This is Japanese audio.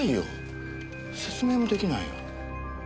説明も出来ないよ。